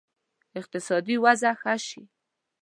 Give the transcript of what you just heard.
اقتصادي وضع ښه شي.